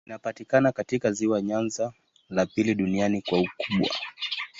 Kinapatikana katika ziwa Nyanza, la pili duniani kwa ukubwa.